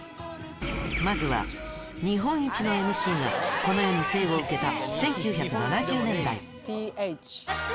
まずは日本一の ＭＣ がこの世に生を受けた